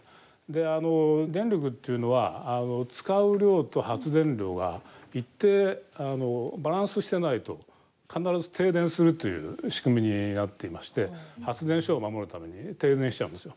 で電力っていうのは使う量と発電量が一定バランスしてないと必ず停電するという仕組みになっていまして発電所を守るために停電しちゃうんですよ。